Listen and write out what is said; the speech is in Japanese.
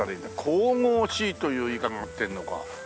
「神々しい」という言い方が合ってるのか。